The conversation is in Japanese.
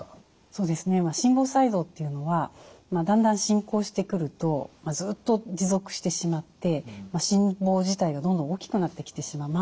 そうですね心房細動というのはだんだん進行してくるとずっと持続してしまって心房自体がどんどん大きくなってきてしまう。